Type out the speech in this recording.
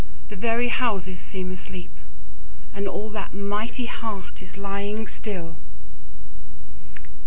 the very houses seem asleep; And all that mighty heart is lying still!